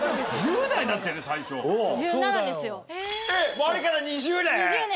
もうあれから２０年！？